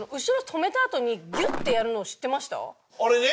あれね！